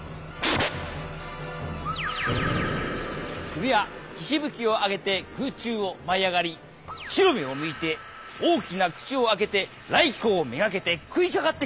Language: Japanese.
首は血しぶき上げて空中を舞い上がり白目をむいて大きな口を開けて頼光目がけて食いかかってくる。